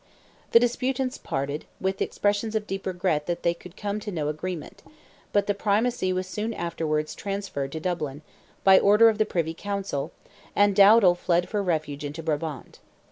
The disputants parted, with expressions of deep regret that they could come to no agreement; but the Primacy was soon afterwards transferred to Dublin, by order of the Privy Council, and Dowdal fled for refuge into Brabant.